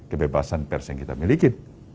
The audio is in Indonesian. kebebasan pers yang kita miliki